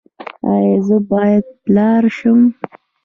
ایا زه باید پلار شم؟